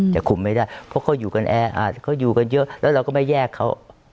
แต่คุมไม่ได้เพราะเขาอยู่กันแอร์อาจเขาอยู่กันเยอะแล้วเราก็ไม่แยกเขา